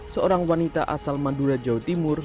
seorang wanita asal madura jawa timur